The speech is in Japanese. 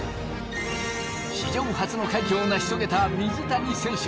史上初の快挙を成し遂げた水谷選手。